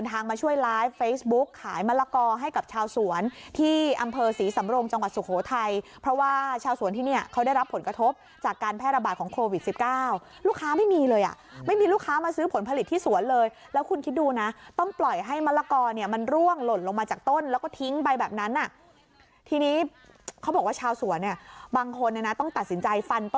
ที่อำเภอสีสำรมจังหวัดสุโขทัยเพราะว่าชาวสวนที่เนี้ยเขาได้รับผลกระทบจากการแพร่ระบาดของโควิดสิบเก้าลูกค้าไม่มีเลยอ่ะไม่มีลูกค้ามาซื้อผลผลิตที่สวนเลยแล้วคุณคิดดูน่ะต้องปล่อยให้มะละกอเนี้ยมันร่วงหล่นลงมาจากต้นแล้วก็ทิ้งไปแบบนั้นอ่ะทีนี้เขาบอกว่าชาวสวนเนี้ยบ